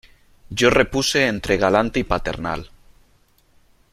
yo repuse entre galante y paternal :